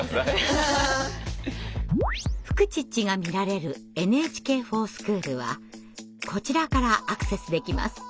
「フクチッチ」が見られる「ＮＨＫｆｏｒＳｃｈｏｏｌ」はこちらからアクセスできます。